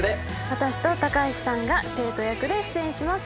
私と橋さんが生徒役で出演します。